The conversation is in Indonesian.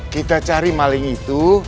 kita cari maling itu